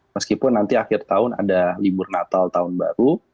meskipun nanti akhir tahun ada libur natal tahun baru